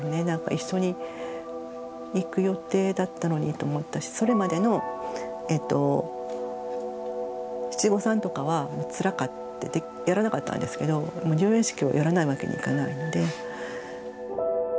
一緒に行く予定だったのにと思ったしそれまでの七五三とかはつらかっでやらなかったんですけど入園式はやらないわけにいかないので。